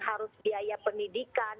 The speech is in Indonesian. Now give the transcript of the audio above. harus biaya pendidikan